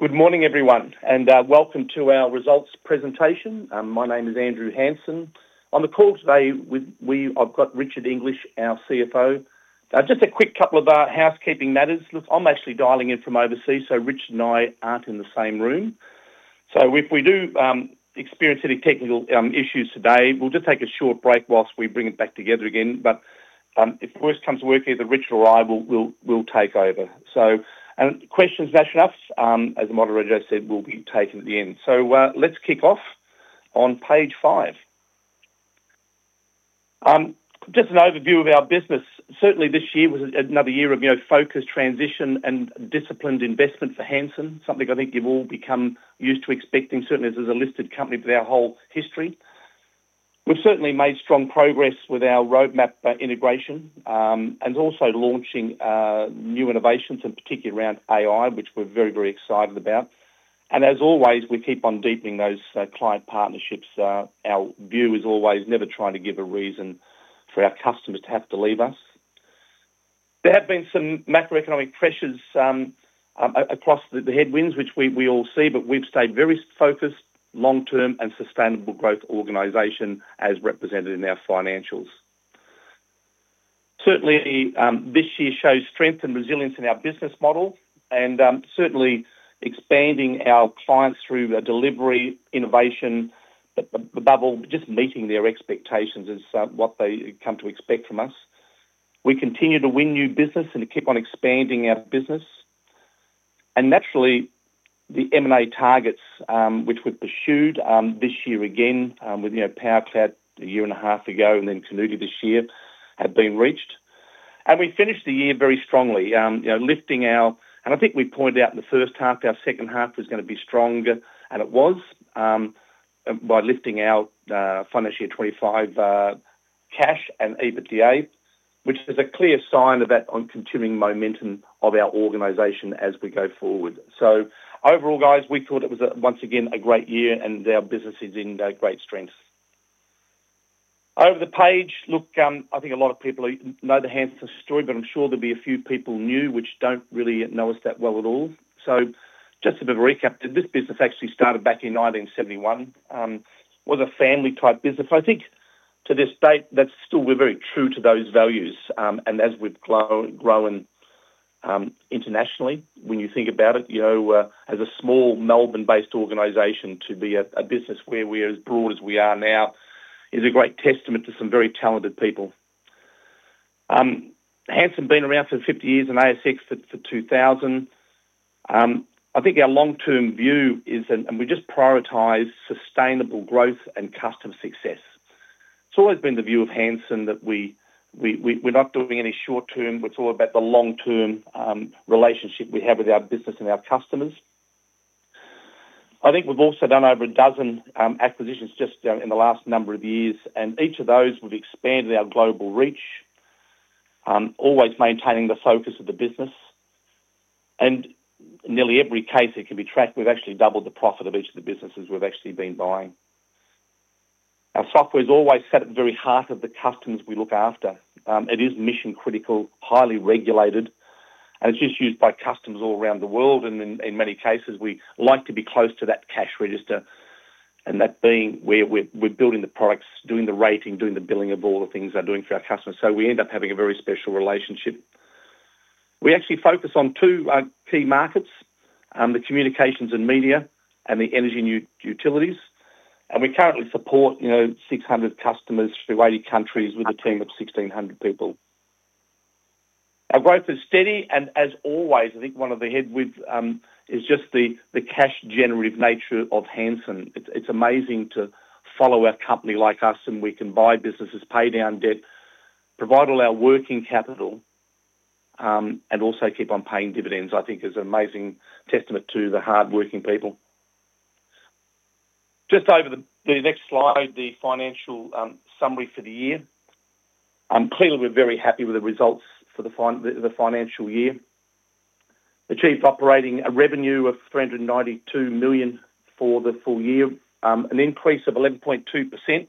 Good morning, everyone, and welcome to our results presentation. My name is Andrew Hansen. On the call today, we've got Richard English, our CFO. Just a quick couple of housekeeping matters. I'm actually dialing in from overseas, so Richard and I aren't in the same room. If we do experience any technical issues today, we'll just take a short break whilst we bring it back together again. If worse comes to worst here, Richard will take over. As the moderator said, we'll be taking questions at the end. Let's kick off on page five. Just an overview of our business. Certainly, this year was another year of focused transition and disciplined investment for Hansen, something I think you've all become used to expecting, certainly as a listed company with our whole history. We've certainly made strong progress with our roadmap integration and also launching new innovations, particularly around AI, which we're very, very excited about. As always, we keep on deepening those client partnerships. Our view is always never trying to give a reason for our customers to have to leave us. There have been some macroeconomic pressures across the headwinds, which we all see, but we've stayed very focused, long-term, and sustainable growth organization, as represented in our financials. Certainly, this year shows strength and resilience in our business model, and certainly expanding our clients through delivery, innovation, but above all, just meeting their expectations is what they come to expect from us. We continue to win new business and to keep on expanding our business. Naturally, the M&A targets, which we pursued this year again with powercloud a year and a half ago, and then CONUTI this year, have been reached. We finished the year very strongly, lifting our, and I think we pointed out in the first half, our second half was going to be stronger, and it was, by lifting our financial year 2025 cash and EBITDA, which is a clear sign of that continuing momentum of our organization as we go forward. Overall, we thought it was once again a great year, and our business is in great strength. Over the page, I think a lot of people know the Hansen story, but I'm sure there'll be a few people new which don't really know us that well at all. Just a bit of a recap. This business actually started back in 1971. It was a family-type business. I think to this date, we're very true to those values. As we've grown internationally, when you think about it, you know, as a small Melbourne-based organization, to be a business where we're as broad as we are now is a great testament to some very talented people. Hansen's been around for 50 years and ASX since 2000. I think our long-term view is, and we just prioritize sustainable growth and customer success. It's always been the view of Hansen that we're not doing any short-term. It's all about the long-term relationship we have with our business and our customers. I think we've also done over a dozen acquisitions just in the last number of years, and each of those we've expanded our global reach, always maintaining the focus of the business. In nearly every case it can be tracked, we've actually doubled the profit of each of the businesses we've actually been buying. Our software's always sat at the very heart of the customers we look after. It is mission-critical, highly regulated, and it's just used by customers all around the world. In many cases, we like to be close to that cash register, that being where we're building the products, doing the rating, doing the billing of all the things they're doing for our customers. We end up having a very special relationship. We actually focus on two key markets: the communications and media, and the energy and utilities. We currently support, you know, 600 customers through 80 countries with a team of 1,600 people. Our growth is steady, and as always, I think one of the headwinds is just the cash-generative nature of Hansen. It's amazing to follow a company like us, and we can buy businesses, pay down debt, provide all our working capital, and also keep on paying dividends, I think is an amazing testament to the hardworking people. Just over the next slide, the financial summary for the year. Clearly, we're very happy with the results for the financial year. Achieved operating revenue of $392 million for the full year, an increase of 11.2%.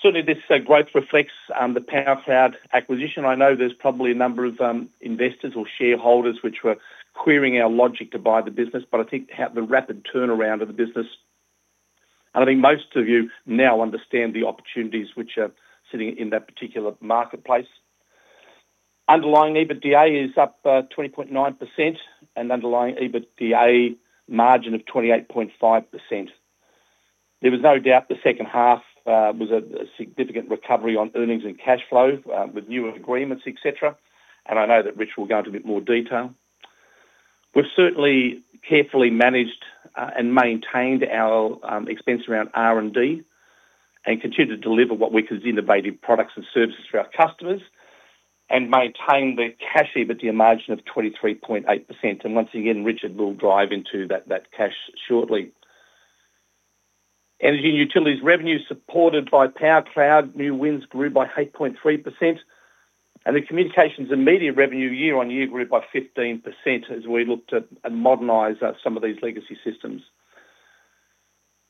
Certainly, this growth reflects the powercloud acquisition. I know there's probably a number of investors or shareholders which were querying our logic to buy the business, but I think the rapid turnaround of the business, and I think most of you now understand the opportunities which are sitting in that particular marketplace. Underlying EBITDA is up 20.9%, and underlying EBITDA margin of 28.5%. There was no doubt the second half was a significant recovery on earnings and cash flow with new agreements, etc. I know that Richard will go into a bit more detail. We've certainly carefully managed and maintained our expense around R&D and continue to deliver what we consider innovative products and services for our customers and maintain the cash EBITDA margin of 23.8%. Once again, Richard will dive into that cash shortly. Energy and utilities revenue supported by powercloud, new wins grew by 8.3%, and the communications and media revenue year-on-year grew by 15% as we looked at modernizing some of these legacy systems.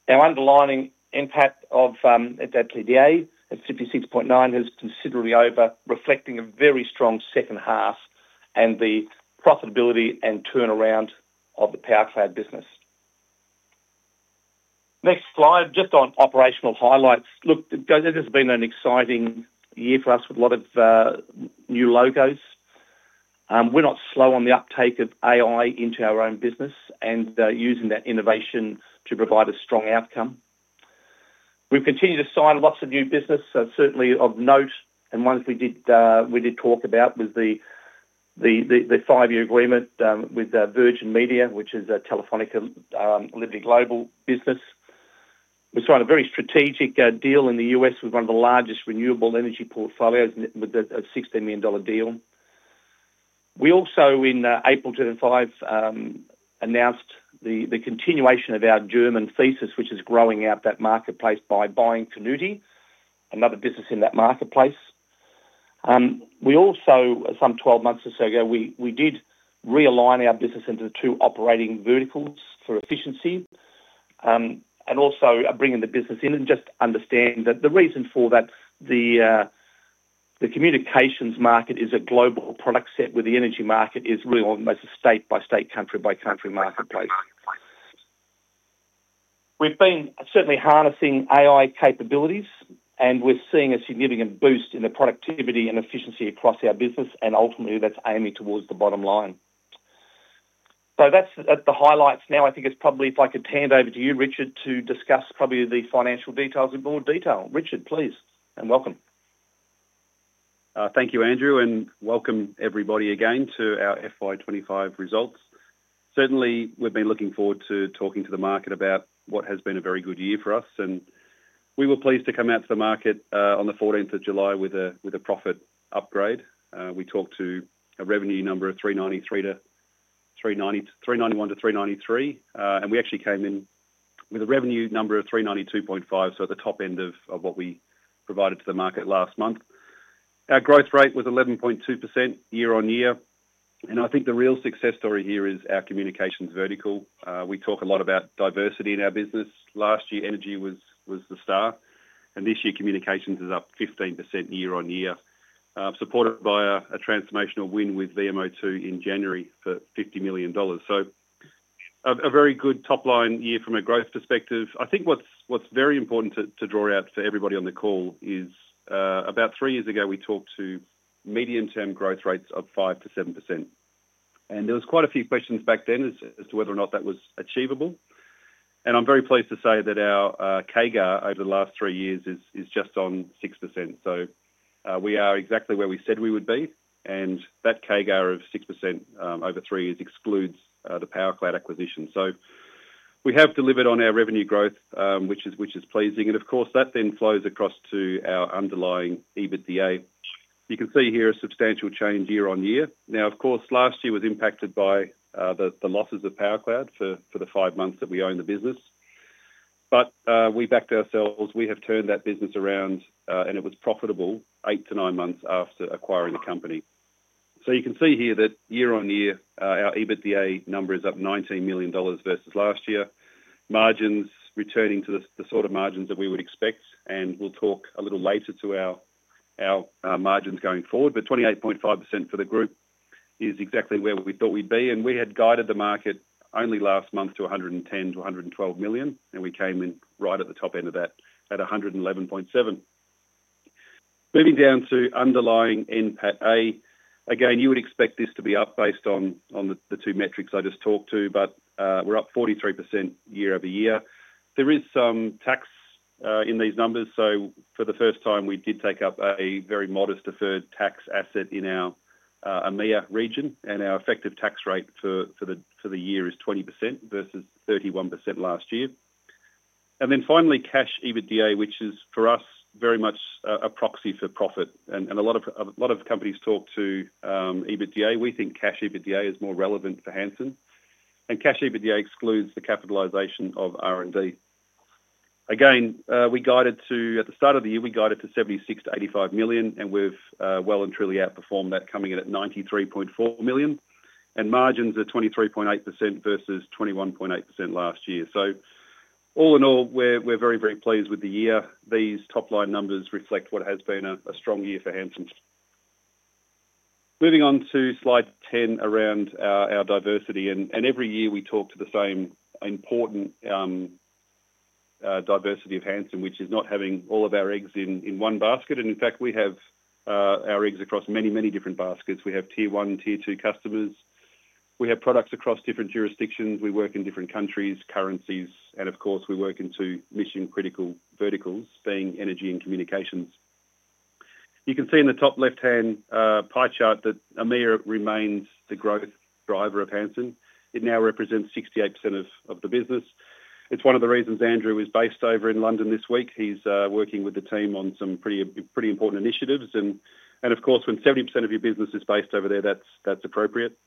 Our underlying impact of EBITDA at 56.9% has considerably over, reflecting a very strong second half and the profitability and turnaround of the powercloud business. Next slide, just on operational highlights. It has been an exciting year for us with a lot of new logos. We're not slow on the uptake of AI into our own business and using that innovation to provide a strong outcome. We've continued to sign lots of new business. Certainly of note, and ones we did talk about, was the five-year agreement with Virgin Media, which is a Telefónica global business. We signed a very strategic deal in the U.S. with one of the largest renewable energy portfolios with a $16 million deal. We also, in April 2025, announced the continuation of our German thesis, which is growing out that marketplace by buying CONUTI, another business in that marketplace. Some 12 months or so ago, we did realign our business into the two operating verticals for efficiency and also bringing the business in and just understanding that the reason for that, the communications market is a global product set where the energy market is really almost a state-by-state, country-by-country marketplace. We've been certainly harnessing AI capabilities, and we're seeing a significant boost in the productivity and efficiency across our business, and ultimately that's aiming towards the bottom line. That's the highlights. Now I think it's probably if I could hand over to you, Richard, to discuss probably the financial details in more detail. Richard, please, and welcome. Thank you, Andrew, and welcome everybody again to our FY25 results. Certainly, we've been looking forward to talking to the market about what has been a very good year for us, and we were pleased to come out to the market on the 14th of July with a profit upgrade. We talked to a revenue number of $391 million-$393 million, and we actually came in with a revenue number of $392.5 million, so at the top end of what we provided to the market last month. Our growth rate was 11.2% year-on-year, and I think the real success story here is our communications vertical. We talk a lot about diversity in our business. Last year, energy was the star, and this year communications is up 15% year-on-year, supported by a transformational win with VMO2 in January for $50 million. A very good top-line year from a growth perspective. I think what's very important to draw out for everybody on the call is about three years ago we talked to medium-term growth rates of 5%-7%, and there were quite a few questions back then as to whether or not that was achievable. I'm very pleased to say that our CAGR over the last three years is just on 6%. We are exactly where we said we would be, and that CAGR of 6% over three years excludes the powercloud acquisition. We have delivered on our revenue growth, which is pleasing, and of course that then flows across to our underlying EBITDA. You can see here a substantial change year-on-year. Last year was impacted by the losses of powercloud for the five months that we owned the business, but we backed ourselves. We have turned that business around, and it was profitable eight to nine months after acquiring the company. You can see here that year-on-year our EBITDA number is up $19 million versus last year, margins returning to the sort of margins that we would expect, and we'll talk a little later to our margins going forward. 28.5% for the group is exactly where we thought we'd be, and we had guided the market only last month to $110 million-$112 million, and we came in right at the top end of that at $111.7 million. Moving down to underlying NPAT-A, you would expect this to be up based on the two metrics I just talked to, but we're up 43% year-over-year. There is some tax in these numbers, so for the first time we did take up a very modest deferred tax asset in our EMEA region, and our effective tax rate for the year is 20% versus 31% last year. Finally, cash EBITDA, which is for us very much a proxy for profit, and a lot of companies talk to EBITDA. We think cash EBITDA is more relevant for Hansen, and cash EBITDA excludes the capitalization of R&D. Again, we guided to, at the start of the year, we guided to $76 million-$85 million, and we've well and truly outperformed that, coming in at $93.4 million, and margins are 23.8% versus 21.8% last year. All in all, we're very, very pleased with the year. These top-line numbers reflect what has been a strong year for Hansen. Moving on to slide 10 around our diversity, every year we talk to the same important diversity of Hansen, which is not having all of our eggs in one basket. In fact, we have our eggs across many, many different baskets. We have tier one, tier two customers. We have products across different jurisdictions. We work in different countries, currencies, and of course, we work into mission-critical verticals, being energy and communications. You can see in the top left-hand pie chart that EMEA remains the growth driver of Hansen. It now represents 68% of the business. It's one of the reasons Andrew is based over in London this week. He's working with the team on some pretty important initiatives, and of course, when 70% of your business is based over there, that's appropriate.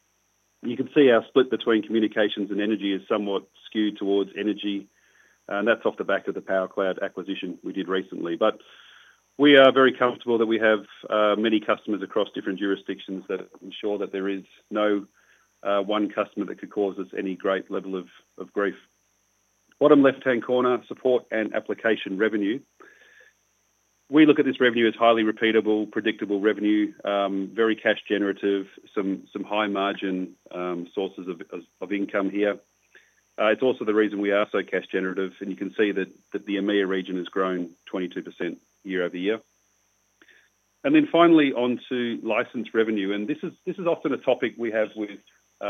You can see our split between communications and energy is somewhat skewed towards energy, and that's off the back of the powercloud acquisition we did recently. We are very comfortable that we have many customers across different jurisdictions that ensure that there is no one customer that could cause us any great level of growth. Bottom left-hand corner, support and application revenue. We look at this revenue as highly repeatable, predictable revenue, very cash generative, some high margin sources of income here. It's also the reason we are so cash generative, and you can see that the EMEA region has grown 22% year-over-year. Finally, onto license revenue, and this is often a topic we have with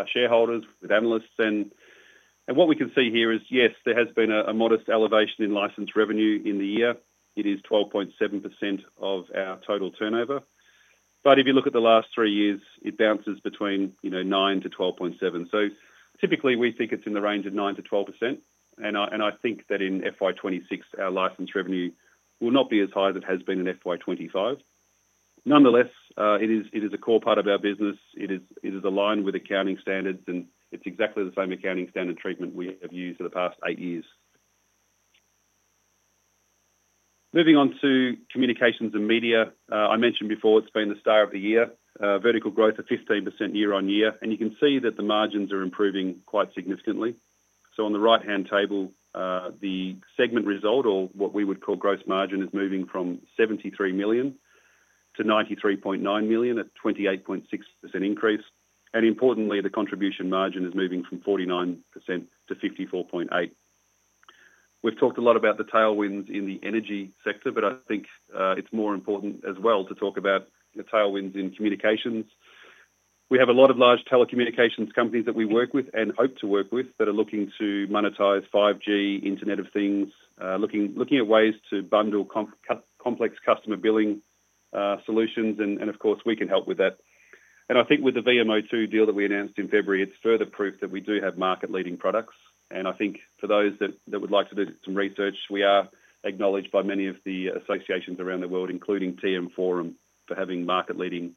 shareholders, with analysts, and what we can see here is, yes, there has been a modest elevation in license revenue in the year. It is 12.7% of our total turnover, but if you look at the last three years, it bounces between 9%-12.7%. Typically, we think it's in the range of 9%-12%, and I think that in FY26, our license revenue will not be as high as it has been in FY25. Nonetheless, it is a core part of our business. It is aligned with accounting standards, and it's exactly the same accounting standard treatment we have used for the past eight years. Moving on to communications and media, I mentioned before it's been the star of the year, vertical growth of 15% year on year, and you can see that the margins are improving quite significantly. On the right-hand table, the segment result, or what we would call gross margin, is moving from $73 million to $93.9 million at a 28.6% increase, and importantly, the contribution margin is moving from 49%-54.8%. We've talked a lot about the tailwinds in the energy sector. I think it's more important as well to talk about the tailwinds in communications. We have a lot of large telecommunications companies that we work with and hope to work with that are looking to monetize 5G, Internet of Things, looking at ways to bundle complex customer billing solutions, and of course, we can help with that. I think with the VMO2 deal that we announced in February, it's further proof that we do have market-leading products, and I think for those that would like to do some research, we are acknowledged by many of the associations around the world, including TM Forum, for having market-leading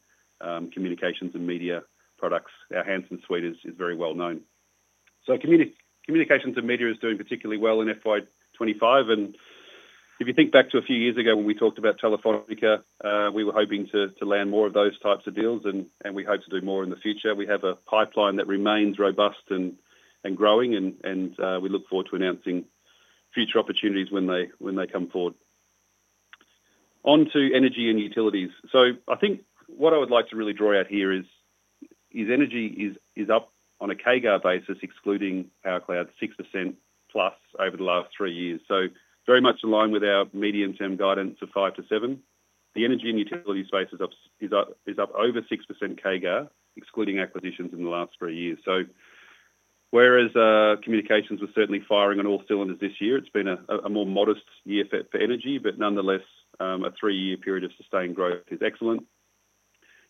communications and media products. Our Hansen Suite is very well known. Communications and media is doing particularly well in FY25, and if you think back to a few years ago when we talked about Telefónica, we were hoping to land more of those types of deals, and we hope to do more in the future. We have a pipeline that remains robust and growing, and we look forward to announcing future opportunities when they come forward. Onto energy and utilities. What I would like to really draw out here is energy is up on a CAGR basis, excluding powercloud, 6%+ over the last three years. Very much in line with our medium-term guidance of 5%-7%. The energy and utility space is up over 6% CAGR, excluding acquisitions in the last three years. Whereas communications was certainly firing on all cylinders this year, it's been a more modest year for energy, but nonetheless, a three-year period of sustained growth is excellent.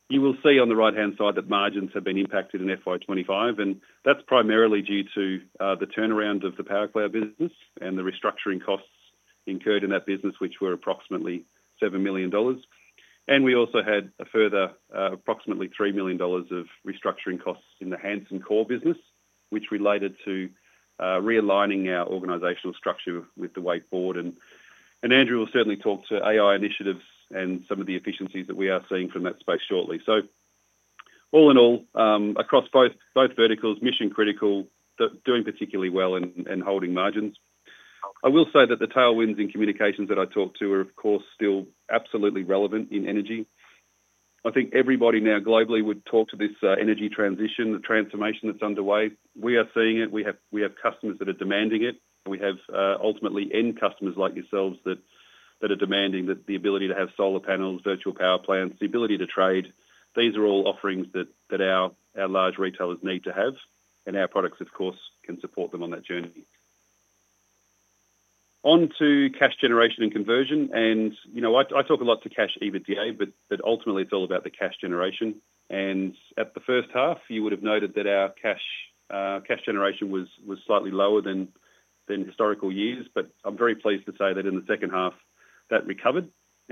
You will see on the right-hand side that margins have been impacted in FY25, and that's primarily due to the turnaround of the powercloud business and the restructuring costs incurred in that business, which were approximately $7 million. We also had a further approximately $3 million of restructuring costs in the Hansen core business, which related to realigning our organizational structure with the whiteboard. Andrew will certainly talk to AI initiatives and some of the efficiencies that we are seeing from that space shortly. All in all, across both verticals, mission-critical, doing particularly well and holding margins. I will say that the tailwinds in communications that I talked to are, of course, still absolutely relevant in energy. I think everybody now globally would talk to this energy transition, the transformation that's underway. We are seeing it. We have customers that are demanding it. We have ultimately end customers like yourselves that are demanding the ability to have solar panels, virtual power plants, the ability to trade. These are all offerings that our large retailers need to have, and our products, of course, can support them on that journey. Onto cash generation and conversion, and you know I talk a lot to cash EBITDA, but ultimately, it's all about the cash generation. At the first half, you would have noted that our cash generation was slightly lower than historical years, but I'm very pleased to say that in the second half, that recovered.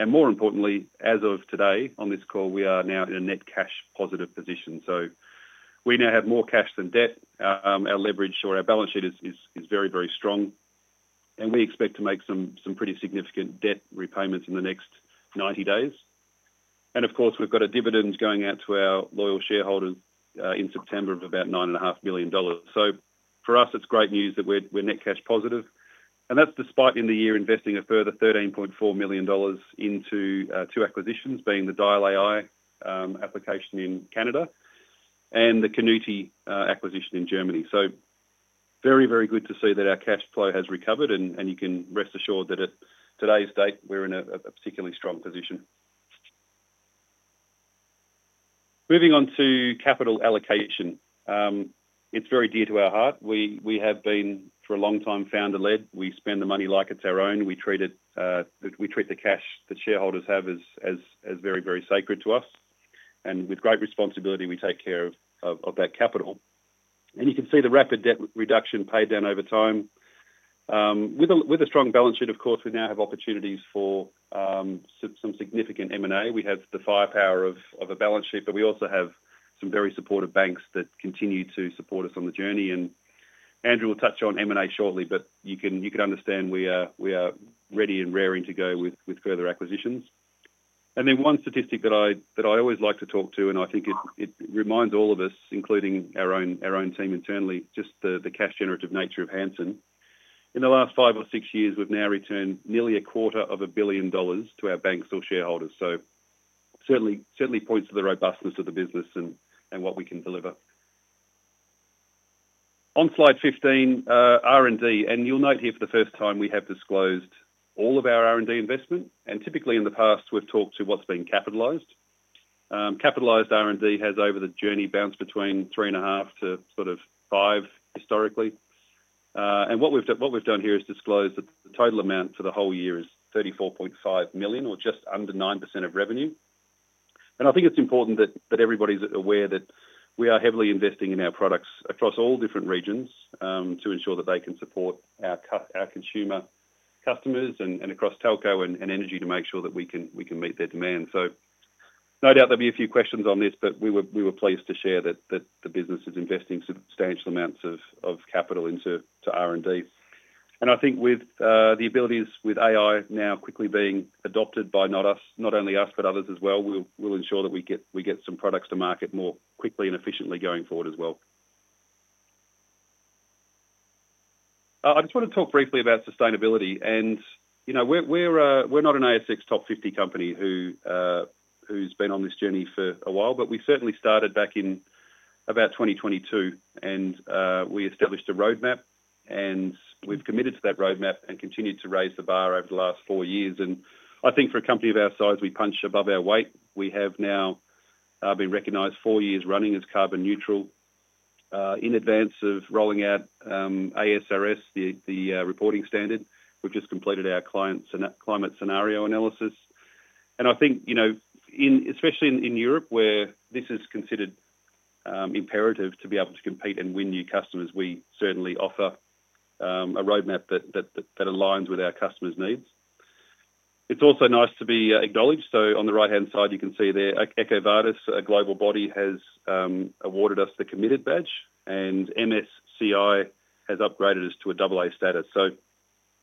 More importantly, as of today on this call, we are now in a net cash positive position. We now have more cash than debt. Our leverage or our balance sheet is very, very strong, and we expect to make some pretty significant debt repayments in the next 90 days. We have a dividend going out to our loyal shareholders in September of about $9.5 million. For us, it's great news that we're net cash positive, and that's despite in the year investing a further $13.4 million into two acquisitions, being the Dial AI application in Canada and the CONUTI acquisition in Germany. Very, very good to see that our cash flow has recovered, and you can rest assured that at today's date, we're in a particularly strong position. Moving on to capital allocation, it's very dear to our heart. We have been for a long time founder-led. We spend the money like it's our own. We treat the cash that shareholders have as very, very sacred to us, and with great responsibility, we take care of that capital. You can see the rapid debt reduction paid down over time. With a strong balance sheet, we now have opportunities for some significant M&A. We have the firepower of a balance sheet, but we also have some very supportive banks that continue to support us on the journey. Andrew will touch on M&A shortly, but you can understand we are ready and raring to go with further acquisitions. One statistic that I always like to talk to, and I think it reminds all of us, including our own team internally, is just the cash-generative nature of Hansen. In the last five or six years, we've now returned nearly a quarter of a billion dollars to our banks or shareholders. This certainly points to the robustness of the business and what we can deliver. On slide 15, R&D, you'll note here for the first time we have disclosed all of our R&D investment. Typically in the past, we've talked to what's been capitalized. Capitalized R&D has over the journey bounced between 3.5-5 historically. What we've done here is disclose that the total amount for the whole year is $34.5 million or just under 9% of revenue. I think it's important that everybody's aware that we are heavily investing in our products across all different regions to ensure that they can support our consumer customers and across telco and energy to make sure that we can meet their demand. There will be a few questions on this, but we were pleased to share that the business is investing substantial amounts of capital into R&D. I think with the abilities with AI now quickly being adopted by not only us, but others as well, we'll ensure that we get some products to market more quickly and efficiently going forward as well. I just want to talk briefly about sustainability. You know we're not an ASX top 50 company who's been on this journey for a while, but we certainly started back in about 2022, and we established a roadmap, and we've committed to that roadmap and continued to raise the bar over the last four years. I think for a company of our size, we punch above our weight. We have now been recognized four years running as carbon neutral. In advance of rolling out ASRS, the reporting standard, we've just completed our client's climate scenario analysis. I think, especially in Europe where this is considered imperative to be able to compete and win new customers, we certainly offer a roadmap that aligns with our customers' needs. It's also nice to be acknowledged. On the right-hand side, you can see there EcoVadis, a global body, has awarded us the committed badge, and MSCI has upgraded us to a AA status.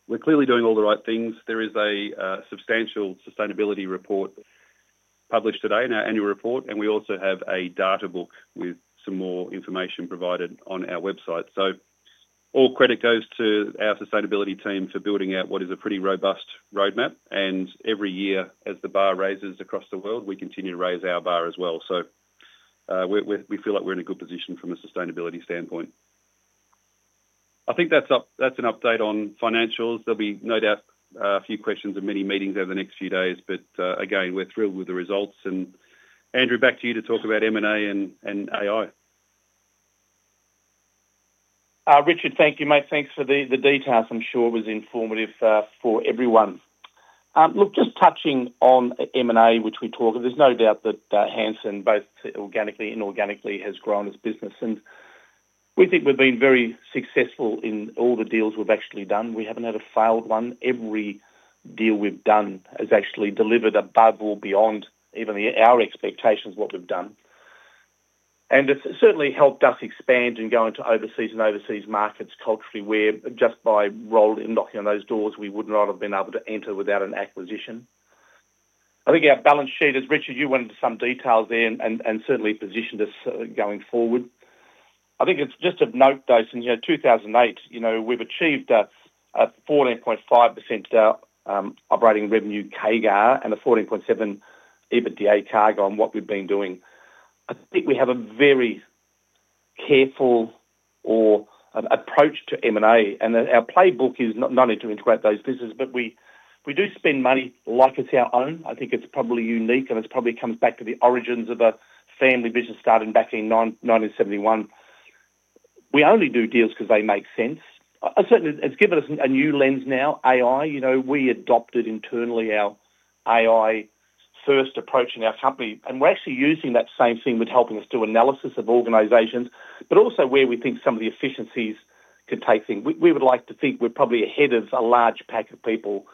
We're clearly doing all the right things. There is a substantial sustainability report published today in our annual report, and we also have a data book with some more information provided on our website. All credit goes to our sustainability team for building out what is a pretty robust roadmap. Every year as the bar raises across the world, we continue to raise our bar as well. We feel like we're in a good position from a sustainability standpoint. I think that's an update on financials. There'll be no doubt a few questions and many meetings over the next few days, but again, we're thrilled with the results. Andrew, back to you to talk about M&A and AI. Richard, thank you, mate. Thanks for the details. I'm sure it was informative for everyone. Just touching on M&A, which we talk about, there's no doubt that Hansen both organically and inorganically has grown as a business. We think we've been very successful in all the deals we've actually done. We haven't had a failed one. Every deal we've done has actually delivered above or beyond even our expectations of what we've done. It's certainly helped us expand and go into overseas markets culturally where just by rolling and knocking on those doors, we would not have been able to enter without an acquisition. I think our balance sheet, as Richard, you went into some details there, has certainly positioned us going forward. I think it's just of note, since 2008, you know, we've achieved a 14.5% operating revenue CAGR and a 14.7% EBITDA CAGR on what we've been doing. We have a very careful approach to M&A, and our playbook is not only to integrate those businesses, but we do spend money like it's our own. I think it's probably unique, and it probably comes back to the origins of a family business starting back in 1971. We only do deals because they make sense. It's given us a new lens now, AI. We adopted internally our AI-first approach in our company, and we're actually using that same thing with helping us do analysis of organizations, but also where we think some of the efficiencies could take things. We would like to think we're probably ahead of a large pack of people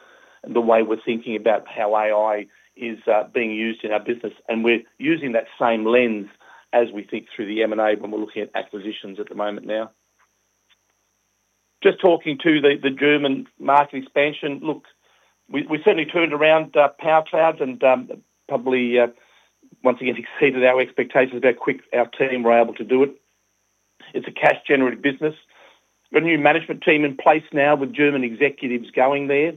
in the way we're thinking about how AI is being used in our business, and we're using that same lens as we think through the M&A when we're looking at acquisitions at the moment now. Just talking to the German market expansion, we certainly turned around powercloud and probably once again exceeded our expectations about how quick our team were able to do it. It's a cash-generating business. We've got a new management team in place now with German executives going there,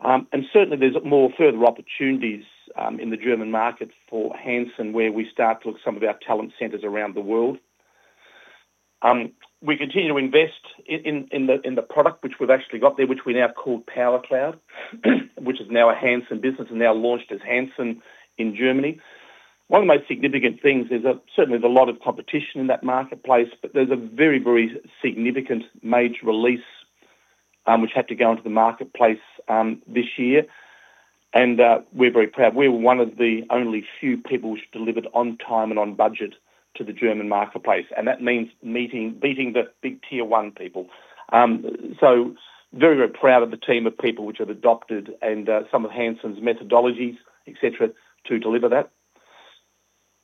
and certainly there's more further opportunities in the German market for Hansen where we start to look at some of our talent centers around the world. We continue to invest in the product which we've actually got there, which we now call powercloud, which is now a Hansen business and now launched as Hansen in Germany. One of the most significant things is that certainly there's a lot of competition in that marketplace, but there's a very, very significant major release which had to go into the marketplace this year, and we're very proud. We're one of the only few people which delivered on time and on budget to the German marketplace, and that means beating the big tier one people. Very, very proud of the team of people which have adopted some of Hansen's methodologies, etc., to deliver that.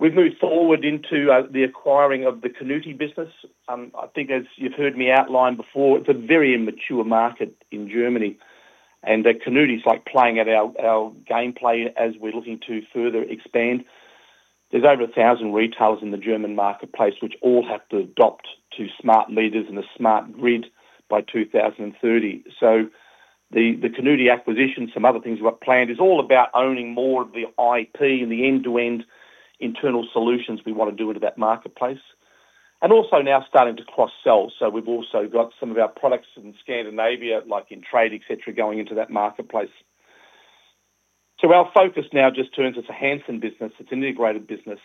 We've moved forward into the acquiring of the CONUTI business. I think as you've heard me outline before, it's a very immature market in Germany, and CONUTI is like playing at our gameplay as we're looking to further expand. There's over 1,000 retailers in the German marketplace which all have to adopt to smart leaders and a smart grid by 2030. The CONUTI acquisition, some other things we've planned, is all about owning more of the IP and the end-to-end internal solutions we want to do into that marketplace, and also now starting to cross-sell. We've also got some of our products in Scandinavia, like in trade, etc., going into that marketplace. Our focus now just turns into a Hansen business. It's an integrated business.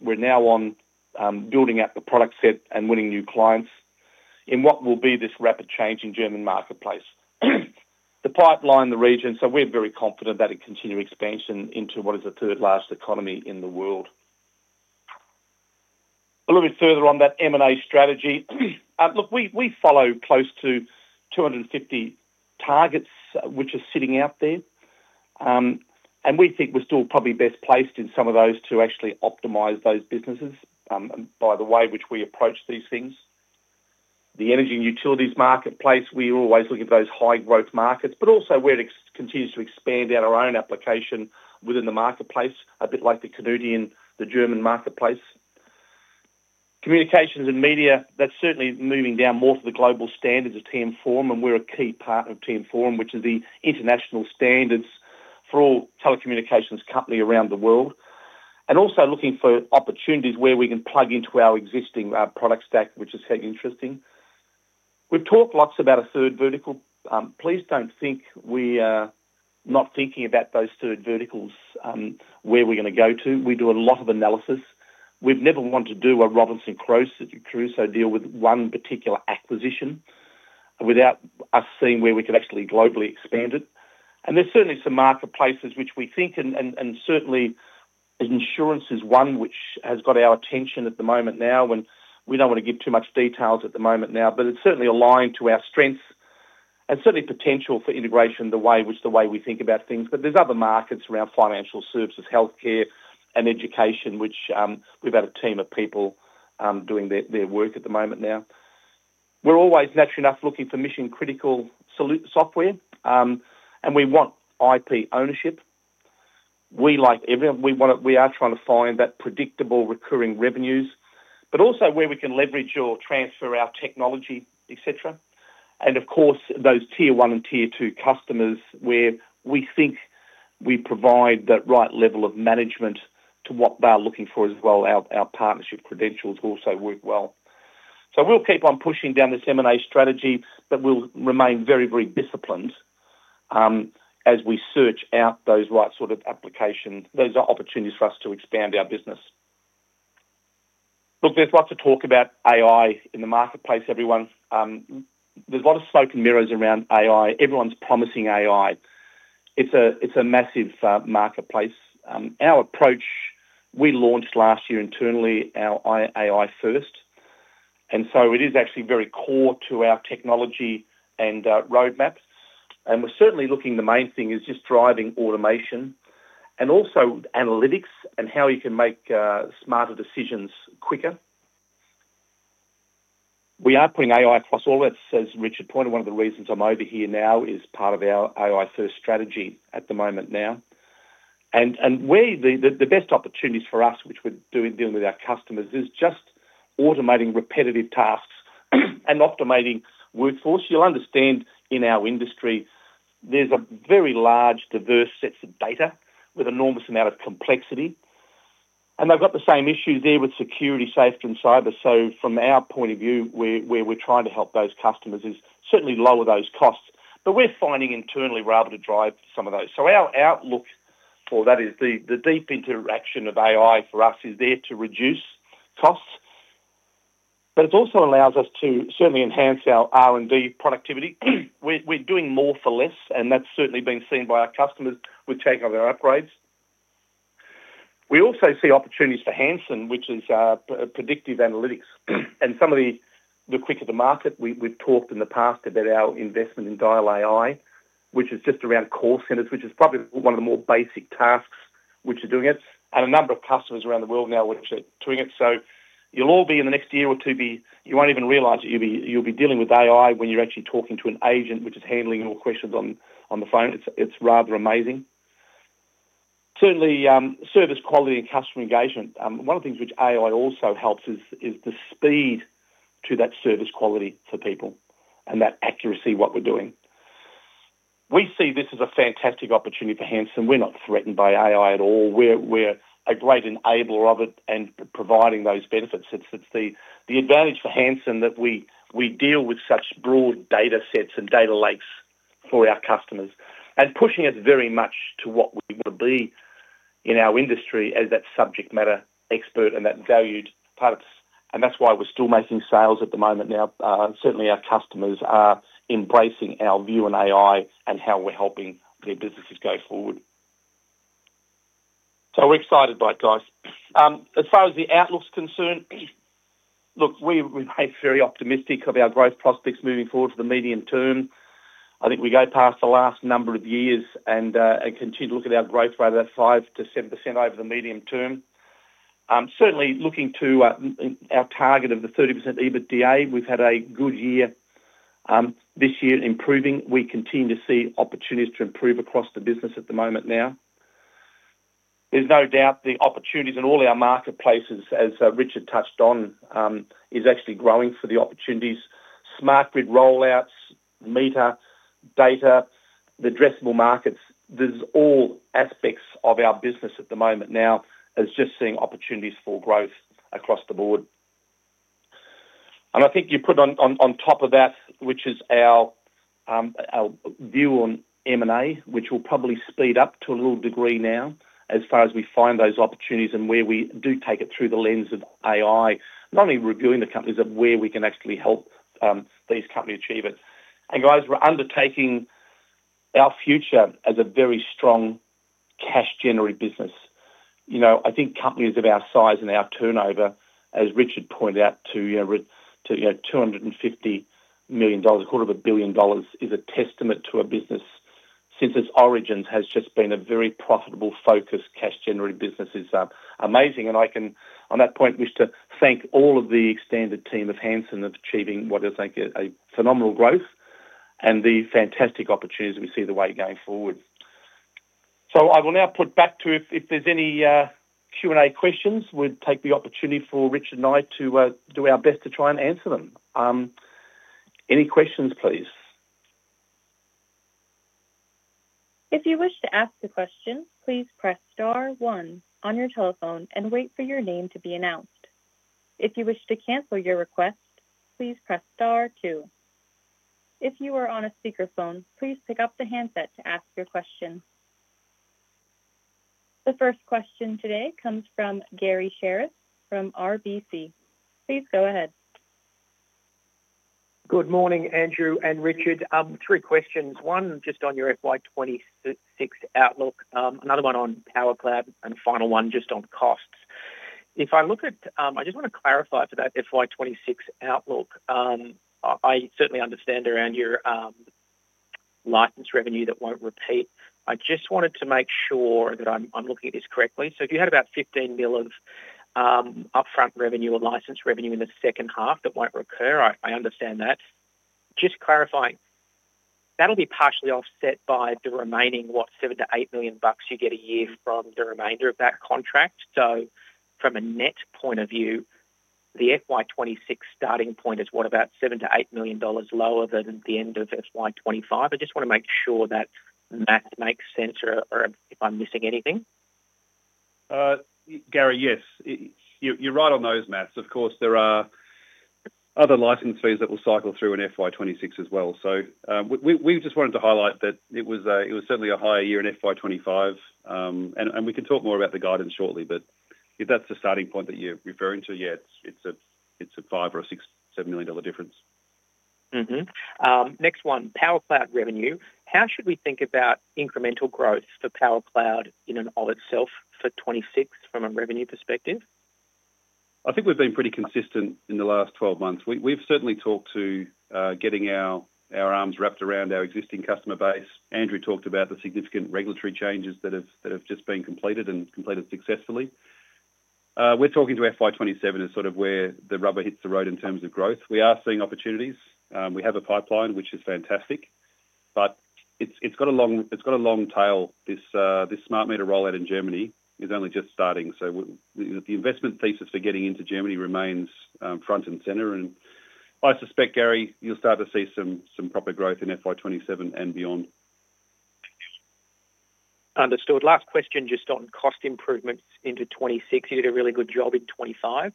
We're now on building out the product set and winning new clients in what will be this rapid change in the German marketplace. The pipeline, the region, so we're very confident about a continued expansion into what is the third-largest economy in the world. A little bit further on that M&A strategy, look, we follow close to 250 targets which are sitting out there, and we think we're still probably best placed in some of those to actually optimize those businesses by the way which we approach these things. The energy and utilities marketplace, we're always looking for those high-growth markets, but also where it continues to expand out our own application within the marketplace, a bit like the CONUTI in the German marketplace. Communications and media, that's certainly moving down more to the global standards of TM Forum, and we're a key partner of TM Forum, which is the international standards for all telecommunications companies around the world, and also looking for opportunities where we can plug into our existing product stack, which is so interesting. We've talked lots about a third vertical. Please don't think we're not thinking about those third verticals where we're going to go to. We do a lot of analysis. We've never wanted to do a Robinson Crusoe deal with one particular acquisition without us seeing where we could actually globally expand it. There's certainly some marketplaces which we think, and certainly insurance is one which has got our attention at the moment, and we don't want to give too much details at the moment, but it's certainly aligned to our strengths and certainly potential for integration the way we think about things. There's other markets around financial services, healthcare, and education, which we've had a team of people doing their work at the moment. We're always naturally enough looking for mission-critical software, and we want IP ownership. Like everyone, we are trying to find that predictable recurring revenues, but also where we can leverage or transfer our technology, etc. Of course, those tier one and tier two customers where we think we provide that right level of management to what they're looking for as well. Our partnership credentials also work well. We'll keep on pushing down this M&A strategy, but we'll remain very, very disciplined as we search out those right sort of applications, those opportunities for us to expand our business. There's lots of talk about AI in the marketplace, everyone. There's a lot of smoke and mirrors around AI. Everyone's promising AI. It's a massive marketplace. Our approach, we launched last year internally our AI first, and so it is actually very core to our technology and roadmap. We're certainly looking, the main thing is just driving automation and also analytics and how you can make smarter decisions quicker. We are putting AI across all of it, as Richard pointed. One of the reasons I'm over here now is part of our AI-first strategy at the moment. Where the best opportunities for us, which we're dealing with our customers, is just automating repetitive tasks and optimizing workforce. You'll understand in our industry, there's a very large diverse set of data with an enormous amount of complexity, and they've got the same issues there with security, safety, and cyber. From our point of view, where we're trying to help those customers is certainly lower those costs. We're finding internally we're able to drive some of those. Our outlook for that is the deep interaction of AI for us is there to reduce costs, but it also allows us to certainly enhance our R&D productivity. We're doing more for less, and that's certainly been seen by our customers with taking on their upgrades. We also see opportunities for Hansen, which is predictive analytics. Some of the quicker to market, we've talked in the past about our investment in Dial AI, which is just around call centers, which is probably one of the more basic tasks which are doing it. A number of customers around the world now which are doing it. You'll all be in the next year or two, you won't even realize that you'll be dealing with AI when you're actually talking to an agent which is handling your questions on the phone. It's rather amazing. Certainly, service quality and customer engagement. One of the things which AI also helps is the speed to that service quality for people and that accuracy of what we're doing. We see this as a fantastic opportunity for Hansen. We're not threatened by AI at all. We're a great enabler of it and providing those benefits. It's the advantage for Hansen that we deal with such broad data sets and data lakes for our customers and pushing it very much to what we want to be in our industry as that subject matter expert and that valued purpose. That's why we're still making sales at the moment now. Certainly, our customers are embracing our view on AI and how we're helping their businesses go forward. We're excited about it, guys. As far as the outlook's concerned, look, we're very optimistic of our growth prospects moving forward for the medium term. I think we go past the last number of years and continue to look at our growth rate of that 5%-7% over the medium term. Certainly, looking to our target of the 30% EBITDA, we've had a good year this year improving. We continue to see opportunities to improve across the business at the moment now. There's no doubt the opportunities in all our marketplaces, as Richard touched on, are actually growing for the opportunities. Smart grid rollouts, meta data, the addressable markets, there's all aspects of our business at the moment now as just seeing opportunities for growth across the board. I think you put on top of that, which is our view on M&A, which will probably speed up to a little degree now as far as we find those opportunities and where we do take it through the lens of AI, not only reviewing the companies but where we can actually help these companies achieve it. We're undertaking our future as a very strong cash-generated business. I think companies of our size and our turnover, as Richard pointed out, to $250 million, a quarter of a billion dollars, is a testament to a business since its origins has just been a very profitable focus. Cash-generated business is amazing. I can, on that point, wish to thank all of the extended team of Hansen for achieving what I think is a phenomenal growth and the fantastic opportunities we see the way going forward. I will now put back to it. If there's any Q&A questions, we'll take the opportunity for Richard and I to do our best to try and answer them. Any questions, please. If you wish to ask a question, please press star one on your telephone and wait for your name to be announced. If you wish to cancel your request, please press star two. If you are on a speaker phone, please pick up the handset to ask your question. The first question today comes from Gary Sherriff from RBC. Please go ahead. Good morning, Andrew and Richard. Three questions. One just on your FY26 outlook, another one on powercloud, and final one just on costs. If I look at, I just want to clarify for that FY26 outlook. I certainly understand around your license revenue that won't repeat. I just wanted to make sure that I'm looking at this correctly. If you had about $15 million of upfront revenue or license revenue in the second half that won't recur, I understand that. Just clarifying, that'll be partially offset by the remaining, what, $7 million-$8 million you get a year from the remainder of that contract. From a net point of view, the FY26 starting point is what, about $7 million-$8 million lower than at the end of FY25. I just want to make sure that that makes sense or if I'm missing anything. Gary, yes, you're right on those mats. Of course, there are other license fees that will cycle through in FY26 as well. We just wanted to highlight that it was certainly a higher year in FY25, and we can talk more about the guidance shortly. If that's the starting point that you're referring to, yeah, it's a $5 million or $6 million, $7 million difference. Next one, powercloud revenue. How should we think about incremental growth for powercloud in and of itself for 2026 from a revenue perspective? I think we've been pretty consistent in the last 12 months. We've certainly talked to getting our arms wrapped around our existing customer base. Andrew talked about the significant regulatory changes that have just been completed and completed successfully. We're talking to FY27 as sort of where the rubber hits the road in terms of growth. We are seeing opportunities. We have a pipeline, which is fantastic, but it's got a long tail. This smart meter rollout in Germany is only just starting. The investment thesis for getting into Germany remains front and center, and I suspect, Gary, you'll start to see some proper growth in FY27 and beyond. Understood. Last question just on cost improvements into 2026. You did a really good job in 2025.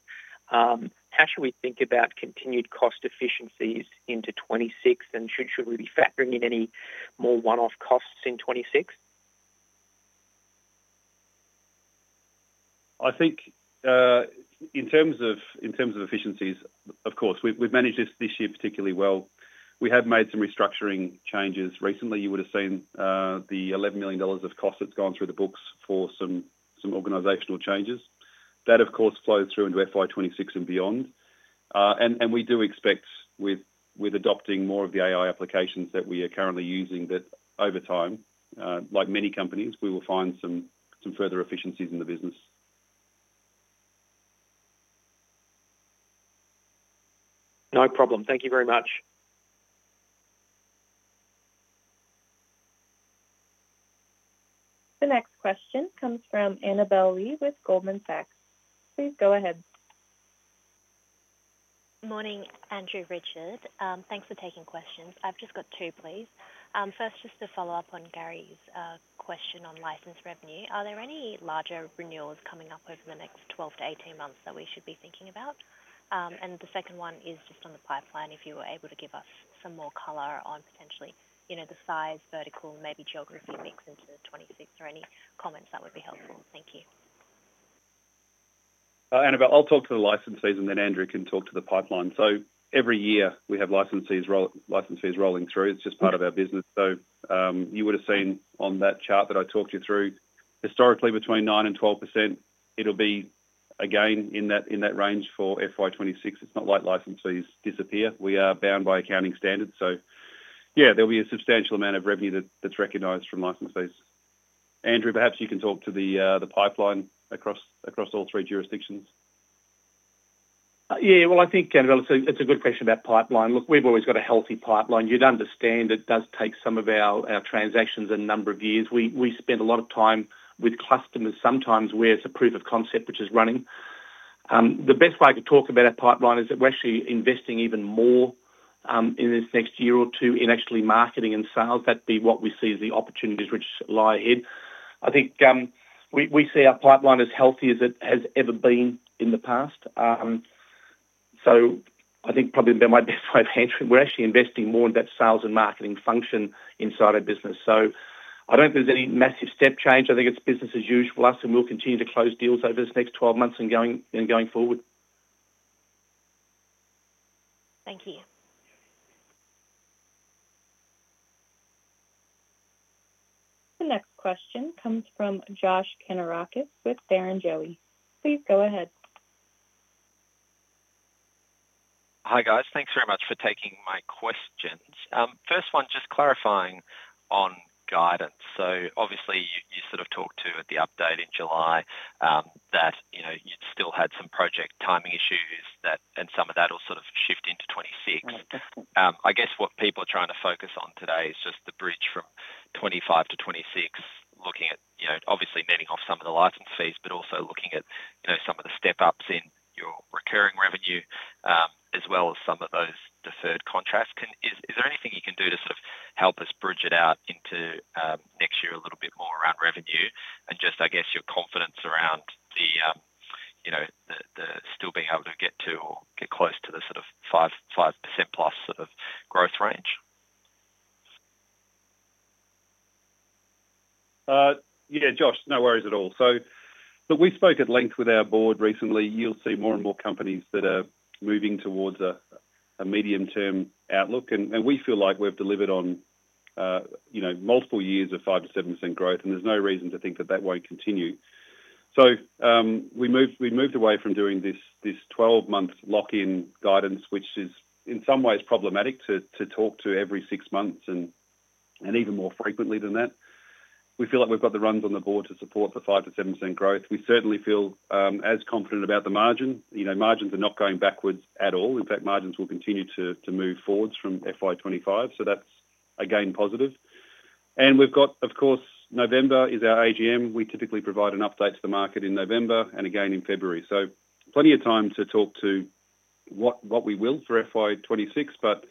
How should we think about continued cost efficiencies into 2026, and should we be factoring in any more one-off costs in 2026? I think in terms of efficiencies, of course, we've managed this this year particularly well. We have made some restructuring changes recently. You would have seen the $11 million of cost that's gone through the books for some organizational changes. That, of course, flows through into FY26 and beyond. We do expect with adopting more of the AI applications that we are currently using that over time, like many companies, we will find some further efficiencies in the business. No problem. Thank you very much. The next question comes from Annabelle Lee with Goldman Sachs. Please go ahead. Morning, Andrew, Richard. Thanks for taking questions. I've just got two, please. First, just to follow up on Gary's question on license revenue. Are there any larger renewals coming up over the next 12-18 months that we should be thinking about? The second one is just on the pipeline, if you were able to give us some more color on potentially, you know, the size, vertical, maybe geography mix into 2026, or any comments that would be helpful. Thank you. Annabelle, I'll talk to the license fees, and then Andrew can talk to the pipeline. Every year we have license fees rolling through. It's just part of our business. You would have seen on that chart that I talked you through, historically between 9% and 12%. It'll be again in that range for FY26. It's not like license fees disappear. We are bound by accounting standards. There'll be a substantial amount of revenue that's recognized from license fees. Andrew, perhaps you can talk to the pipeline across all three jurisdictions. I think, Annabelle, it's a good question about pipeline. Look, we've always got a healthy pipeline. You'd understand it does take some of our transactions a number of years. We spend a lot of time with customers sometimes where it's a proof of concept which is running. The best way I could talk about our pipeline is that we're actually investing even more in this next year or two in actually marketing and sales. That'd be what we see as the opportunities which lie ahead. I think we see our pipeline as healthy as it has ever been in the past. I think probably my best way of answering, we're actually investing more in that sales and marketing function inside our business. I don't think there's any massive step change. I think it's business as usual. We'll continue to close deals over this next 12 months and going forward. Thank you. The next question comes from Josh Kannourakis with Barrenjoey. Please go ahead. Hi guys, thanks very much for taking my questions. First one, just clarifying on guidance. Obviously, you sort of talked to at the update in July that you'd still had some project timing issues and some of that will sort of shift into 2026. I guess what people are trying to focus on today is just the bridge from 2025 to 2026, looking at, you know, obviously netting off some of the license fees, but also looking at some of the step-ups in your recurring revenue as well as some of those deferred contracts. Is there anything you can do to help us bridge it out into next year a little bit more around revenue and just, I guess, your confidence around the still being able to get to or get close to the sort of 5%+ growth range? Yeah, Josh, no worries at all. We spoke at length with our board recently. You'll see more and more companies that are moving towards a medium-term outlook, and we feel like we've delivered on multiple years of 5%-7% growth, and there's no reason to think that that won't continue. We moved away from doing this 12-month lock-in guidance, which is in some ways problematic to talk to every six months and even more frequently than that. We feel like we've got the rungs on the board to support the 5%-7% growth. We certainly feel as confident about the margin. Margins are not going backwards at all. In fact, margins will continue to move forwards from FY25, so that's again positive. Of course, November is our AGM. We typically provide an update to the market in November and again in February. There is plenty of time to talk to what we will for FY26, but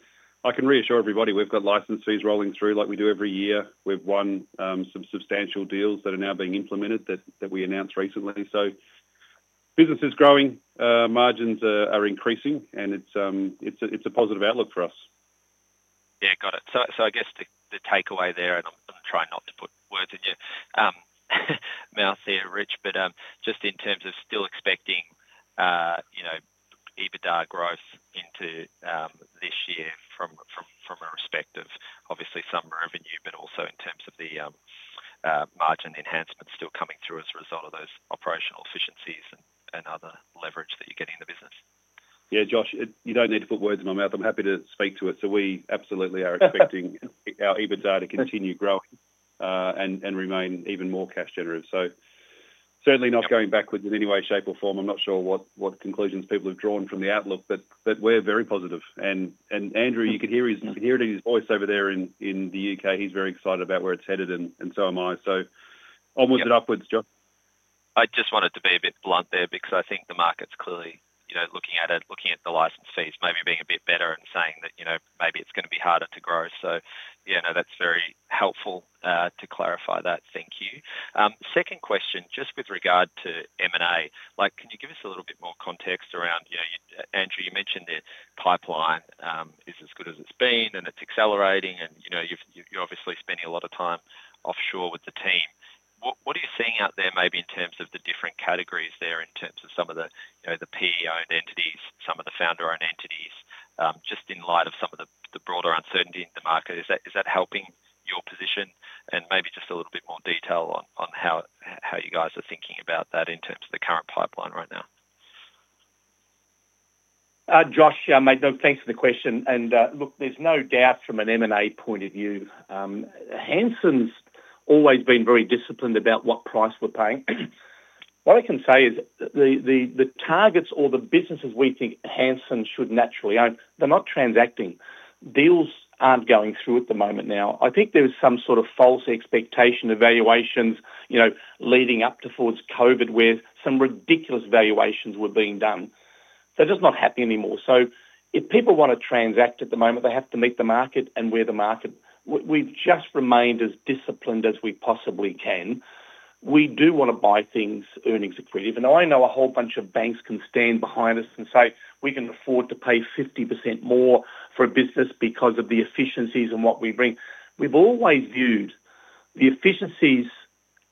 I can reassure everybody we've got license fees rolling through like we do every year. We've won some substantial deals that are now being implemented that we announced recently. Business is growing, margins are increasing, and it's a positive outlook for us. Got it. I guess the takeaway there, and I'm trying not to put words in your mouth there, Rich, but just in terms of still expecting, you know, EBITDA growth into this year from a respective obviously some revenue, but also in terms of the margin enhancement still coming through as a result of those operational efficiencies and other leverage that you're getting in the business. Yeah, Josh, you don't need to put words in my mouth. I'm happy to speak to it. We absolutely are expecting our EBITDA to continue growing and remain even more cash generative. Certainly not going backwards in any way, shape, or form. I'm not sure what conclusions people have drawn from the outlook, but we're very positive. Andrew, you can hear it in his voice over there in the U.K. He's very excited about where it's headed, and so am I. Onwards and upwards, Josh. I just wanted to be a bit blunt there because I think the market's clearly, you know, looking at it, looking at the license fees maybe being a bit better and saying that, you know, maybe it's going to be harder to grow. That's very helpful to clarify that. Thank you. Second question, just with regard to M&A, can you give us a little bit more context around, you know, Andrew, you mentioned the pipeline is as good as it's been, and it's accelerating, and you're obviously spending a lot of time offshore with the team. What are you seeing out there in terms of the different categories in terms of some of the PE-owned entities, some of the founder-owned entities, just in light of some of the broader uncertainty in the market? Is that helping your position? Maybe just a little bit more detail on how you guys are thinking about that in terms of the current pipeline right now. Josh, yeah, mate, thanks for the question. There's no doubt from an M&A point of view, Hansen's always been very disciplined about what price we're paying. What I can say is the targets or the businesses we think Hansen should naturally own, they're not transacting. Deals aren't going through at the moment. I think there's some sort of false expectation of valuations, you know, leading up to towards COVID where some ridiculous valuations were being done. They're just not happening anymore. If people want to transact at the moment, they have to meet the market and wear the market. We've just remained as disciplined as we possibly can. We do want to buy things earnings equitative. I know a whole bunch of banks can stand behind us and say we can afford to pay 50% more for a business because of the efficiencies and what we bring. We've always viewed the efficiencies